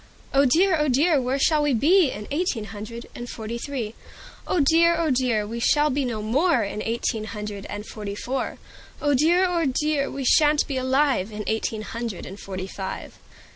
"Oh dear! oh dear! where shall we be In eighteen hundred and forty three? "Oh dear! oh dear! we shall be no more In eighteen hundred and forty four, "Oh dear! oh dear! we sha'n't be alive In eighteen hundred and forty five."